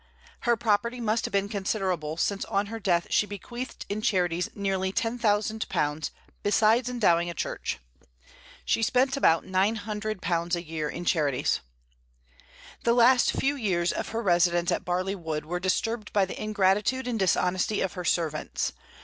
Her property must have been considerable, since on her death she bequeathed in charities nearly £10,000, beside endowing a church. She spent about £900 a year in charities. The last few years of her residence at Barley Wood were disturbed by the ingratitude and dishonesty of her servants.